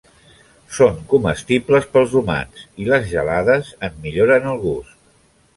Són comestibles pels humans i les gelades en milloren el gust.